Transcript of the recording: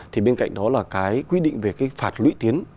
thì bên cạnh đó là cái quy định về cái phạt lũy tiến